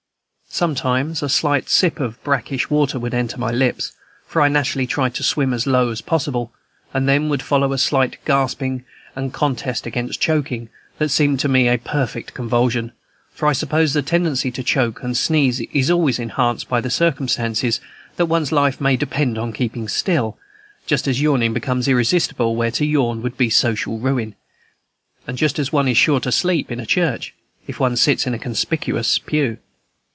Sometimes a slight sip of brackish water would enter my lips, for I naturally tried to swim as low as possible, and then would follow a slight gasping and contest against chocking, that seemed to me a perfect convulsion; for I suppose the tendency to choke and sneeze is always enhanced by the circumstance that one's life may depend on keeping still, just as yawning becomes irresistible where to yawn would be social ruin, and just as one is sure to sleep in church, if one sits in a conspicuous pew.